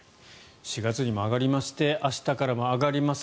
４月にも上がりまして明日からも上がります。